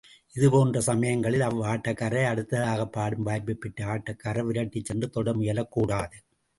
இதுபோன்ற சமயங்களில் அவ்வாட்டக்காரரை, அடுத்ததாகப் பாடும் வாய்ப்புப் பெற்ற ஆட்டக்காரர் விரட்டிச் சென்று தொட முயலக் கூடாது.